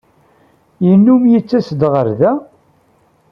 Yennum yettas-d ɣer da?